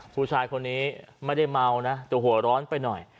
ผู้ชายคนนี้ไม่ได้เมานะแต่หัวร้อนไปหน่อย